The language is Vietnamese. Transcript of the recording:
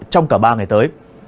trong cả ba ngày tới